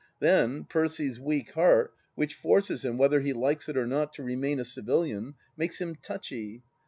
Then, Percy's weak heart, which forces him, whether he likes it or not, to remain a civilian, makes him touchy.